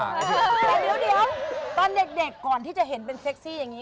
แต่เดี๋ยวตอนเด็กก่อนที่จะเห็นเป็นเซ็กซี่อย่างนี้